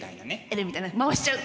Ｌみたいな回しちゃう。